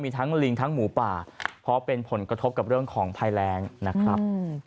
มีทั้งลิงทั้งหมูป่าเพราะเป็นผลกระทบกับเรื่องของภัยแรงนะครับ